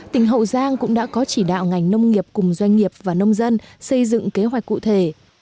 tỉnh hậu giang cũng đã có chỉ đạo ngành nông nghiệp cùng doanh nghiệp và nông dân xây dựng kế hoạch cụ thể